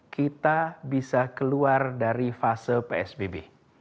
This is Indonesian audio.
kita bisa keluar dari fase psbb